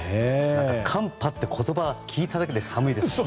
寒波って言葉を聞いただけで寒いですよね。